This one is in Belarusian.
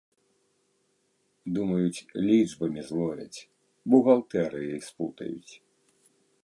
Думаюць, лічбамі зловяць, бухгалтэрыяй спутаюць.